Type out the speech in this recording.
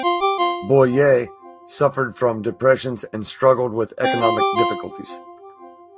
Boye suffered from depressions and struggled with economic difficulties.